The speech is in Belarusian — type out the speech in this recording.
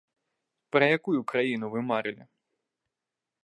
Пра якую краіну вы марылі?